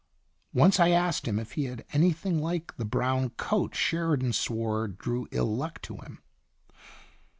Once I asked him if he had anything like the brown coat Sheridan swore drew ill luck to him.